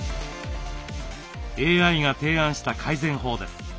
ＡＩが提案した改善法です。